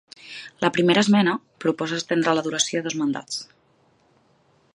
La primera esmena proposa estendre la duració a dos mandats.